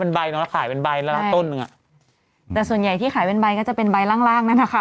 เป็นใบเนอะขายเป็นใบละละต้นหนึ่งอ่ะแต่ส่วนใหญ่ที่ขายเป็นใบก็จะเป็นใบล่างล่างนั่นแหละค่ะ